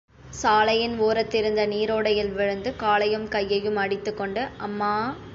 சாலையின் ஓரத்திருந்த நீரோடையில் விழுந்து காலையும் கையையும் அடித்துக்கொண்டு அம்மா!